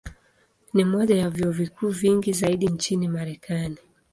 Ni moja ya vyuo vikuu vingi zaidi nchini Marekani.